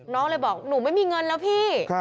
น้องเลยบอกหนูไม่มีเงินแล้วพี่